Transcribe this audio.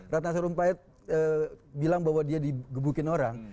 ratna sarumpayat bilang bahwa dia digebukin orang